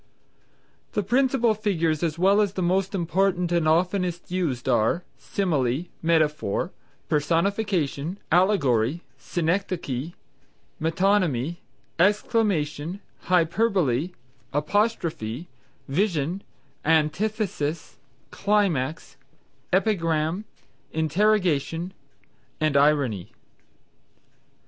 The principal figures as well as the most important and those oftenest used are, _Simile, Metaphor, Personification, Allegory, Synechdoche, Metonymy, Exclamation, Hyperbole, Apostrophe, Vision, Antithesis, Climax, Epigram, Interrogation_ and Irony.